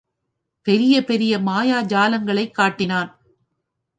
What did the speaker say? பெரிய பெரிய மாயாஜாலங்களைக் காட்டினான்.